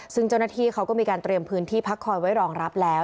ซึ่งเจ้าหน้าที่เขาก็มีการเตรียมพื้นที่พักคอยไว้รองรับแล้ว